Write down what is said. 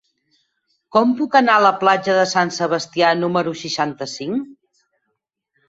Com puc anar a la platja Sant Sebastià número seixanta-cinc?